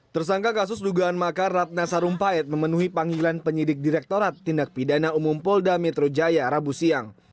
tersangka kasus dugaan makar ratna sarumpait memenuhi panggilan penyidik direktorat tindak pidana umum polda metro jaya rabu siang